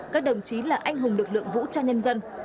các đồng chí là anh hùng lực lượng vũ trang nhân dân